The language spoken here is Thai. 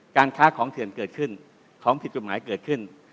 การค้าของเถื่อนเกิดขึ้นของผิดกฎหมายเกิดขึ้น